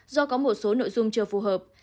do có một số nội dung chưa phù hợp